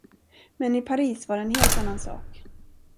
Men i Paris var det en helt annan sak.